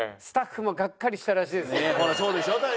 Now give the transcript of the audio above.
スタッフもがっかりしたらしいですよ。